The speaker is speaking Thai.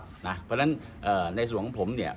เพราะฉะนั้นในส่วนของผมเนี่ย